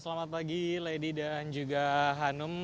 selamat pagi lady dan juga hanum